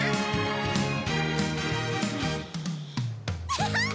アハハッ！